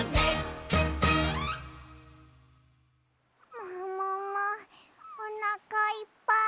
もももおなかいっぱい。